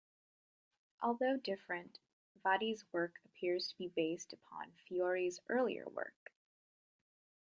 Although different, Vadi's work appears to be based upon Fiore's earlier work.